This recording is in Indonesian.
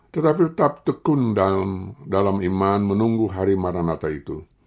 tetapi tetap tekun dalam iman menunggu hari maranatha itu